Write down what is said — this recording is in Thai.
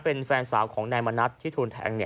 เป็นแฟนสาวของนายมณัฐที่ถูกแทง